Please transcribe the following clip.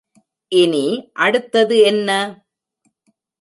இனி அடுத்தது என்ன?